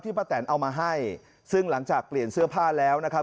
ป้าแตนเอามาให้ซึ่งหลังจากเปลี่ยนเสื้อผ้าแล้วนะครับ